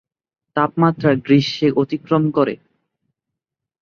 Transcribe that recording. তাপমাত্রা গ্রীষ্মে অতিক্রম করে।